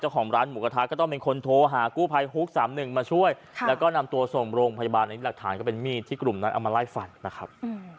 ครับผมนำเนินคดีครับ